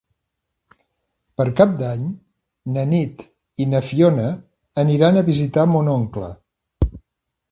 Per Cap d'Any na Nit i na Fiona aniran a visitar mon oncle.